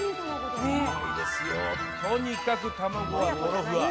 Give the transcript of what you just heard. とにかく卵がトロふわ。